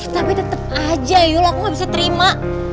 tapi tetep aja yul aku gak bisa terima